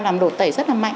làm đổ tẩy rất là mạnh